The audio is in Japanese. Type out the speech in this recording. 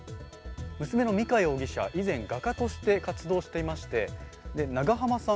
娘の美香容疑者、以前画家として活動していまして長濱さん